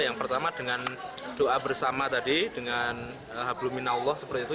yang pertama dengan doa bersama tadi dengan habluminallah seperti itu